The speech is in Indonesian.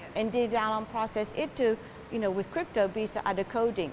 dan dalam proses itu dengan kripto bisa ada coding